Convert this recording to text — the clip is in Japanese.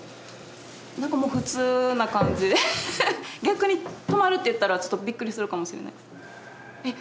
何かもう普通な感じ逆に泊まるって言ったらちょっとビックリするかもしれないですえっ